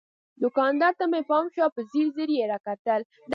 دوکاندار ته مې پام شو، په ځیر ځیر یې را کتل.